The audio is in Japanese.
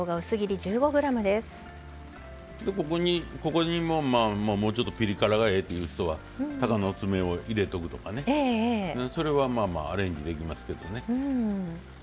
ここにも、もうちょっとピリ辛がええっていう人はたかの爪を入れておくとかそれはアレンジできますけどもね。